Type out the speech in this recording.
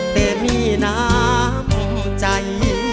เต็มมีน้ำใจ